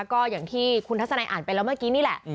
ก็อย่างที่คุณทัศนัยอ่านไปแล้วเมื่อกี้นี่แหละ